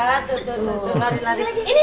iya tuh tuh tuh